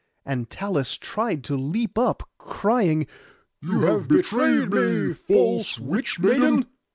And Talus tried to leap up, crying, 'You have betrayed me, false witch maiden!